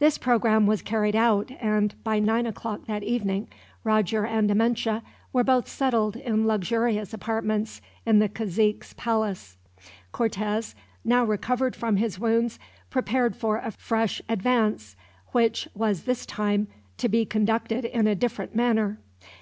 This programme was carried out and, by nine o'clock that evening, Roger and Amenche were both settled in luxurious apartments in the cazique's palace. Cortez, now recovered from his wounds, prepared for a fresh advance; which was this time to be conducted in a different manner.